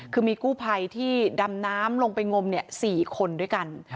คือมีกู้ภัยที่ดำน้ำลงไปงม๔คนด้วยกัน